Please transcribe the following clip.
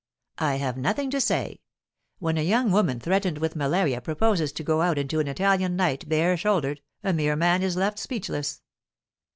'I have nothing to say. When a young woman threatened with malaria proposes to go out into an Italian night, bare shouldered, a mere man is left speechless.